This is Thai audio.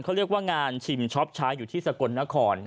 เขาเรียกว่างานชิมช็อปใช้อยู่ที่สกลนคร